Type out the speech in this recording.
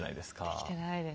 出てきてないです。